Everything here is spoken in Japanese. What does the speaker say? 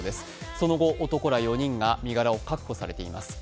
その後、男ら４人が身柄を確保されています。